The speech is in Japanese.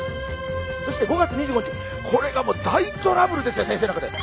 そして５月２５日これがもう大トラブルですよ